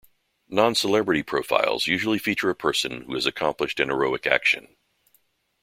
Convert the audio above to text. Non-celebrity profiles usually feature a person who has accomplished an heroic action.